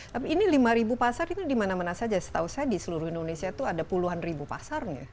tapi ini lima ribu pasar itu dimana mana saja setahu saya di seluruh indonesia itu ada puluhan ribu pasarnya